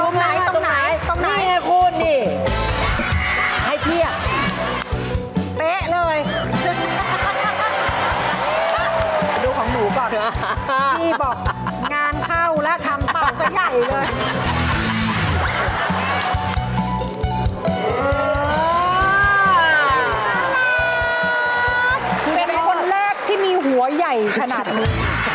คือเป็นคนแรกที่มีหัวใหญ่ขนาดนี้